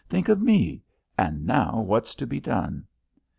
"Think of me. And now what's to be done?"